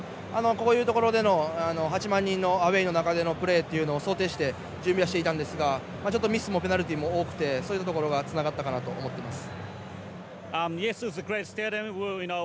こういうところでの８万人のアウェーでのプレーは想定して準備はしていたんですがちょっとミスもペナルティーが多くてそういったところがつながったかなと思います。